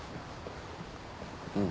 うん。